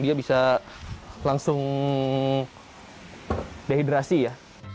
dia bisa langsung dehidrasi ya